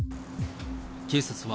警察は、